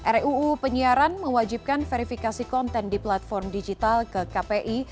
ruu penyiaran mewajibkan verifikasi konten di platform digital ke kpi